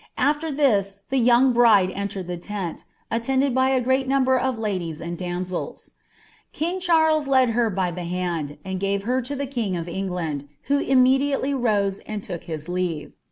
After tliii lb young bride entered the teut, attended by a great number of tadita !■! damsels. King Chiirles led lier by ilie hand, and gave het lo the lag of England, who imniediaiely rose and took his le»*e.